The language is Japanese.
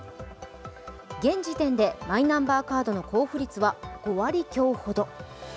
現時点でマイナンバーカードの交付率は５割強ほど。